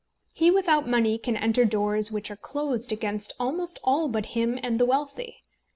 He without money can enter doors which are closed against almost all but him and the wealthy.